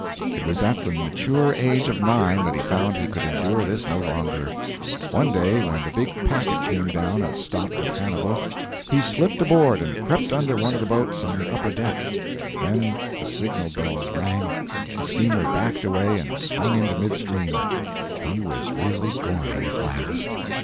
It was at the mature age of nine that he found he could endure this no longer. One day when the big packet came down and stopped at Hannibal, he slipped aboard and crept under one of the boats on the upper deck. Then the signal bells rang, the steamer backed away and swung into midstream; he was really going at last.